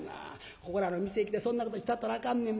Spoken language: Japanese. ここらの店来てそんなことしたったらあかんねんで。